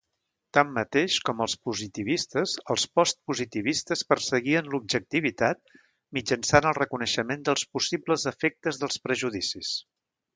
Tanmateix, com els positivistes, els post-positivistes perseguien l'objectivitat mitjançant el reconeixement dels possibles efectes dels prejudicis.